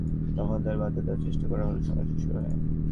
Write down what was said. তখন তাঁদের বাধা দেওয়ার চেষ্টা করা হলে সংঘর্ষ শুরু হয়।